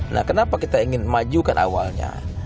nah kenapa kita ingin maju kan awalnya